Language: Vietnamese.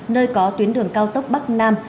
nơi có tuyến đường cao tốc bắc nam